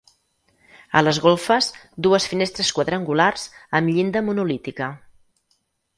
A les golfes, dues finestres quadrangulars, amb llinda monolítica.